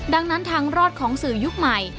ดังนั้นทางรอดของสื่อยุคใหม่